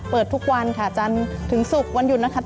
ทุกวันค่ะจันทร์ถึงศุกร์วันหยุดนะคะ